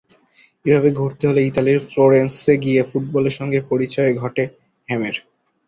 এভাবে ঘুরতে ঘুরতে ইতালির ফ্লোরেন্সে গিয়ে ফুটবলের সঙ্গে পরিচয় ঘটে হ্যামের।